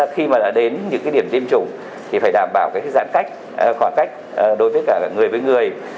hai khi đến những điểm tiêm chủng thì phải đảm bảo giãn cách khoảng cách đối với cả người với người